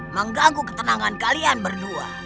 mengganggu ketenangan kalian berdua